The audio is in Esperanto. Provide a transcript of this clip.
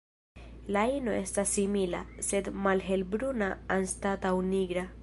La ino estas simila, sed malhelbruna anstataŭ nigra.